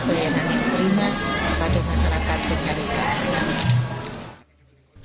pelayanan yang terima pada masyarakat secara ekonomi